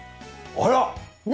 あら！